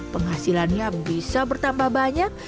penghasilannya bisa bertambah banyak